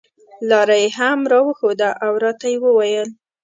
لاره یې هم راښوده او راته یې وویل.